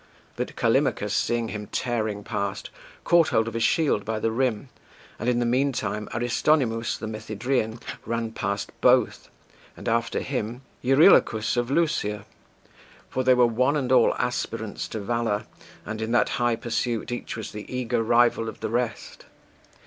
But Callimachus, seeing him tearing past, caught hold of his shield by the rim, and in the meantime Aristonymous the Methydrian ran past both, and after him Eurylochus of Lusia; for they were one and all aspirants to valour, and in that high pursuit, each was the eager rival of the rest.